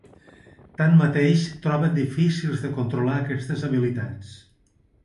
Tanmateix, troba difícils de controlar aquestes habilitats.